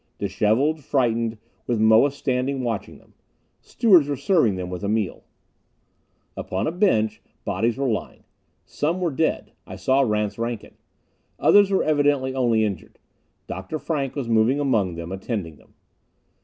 Disheveled, frightened, with Moa standing watching them. Stewards were serving them with a meal. Upon a bench, bodies were lying. Some were dead. I saw Rance Rankin. Others were evidently only injured. Dr. Frank was moving among them, attending them.